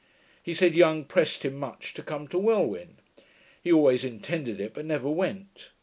He said Young pressed him much to come to Wellwyn. He always intended it, but never went.